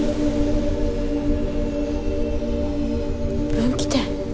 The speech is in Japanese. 分岐点。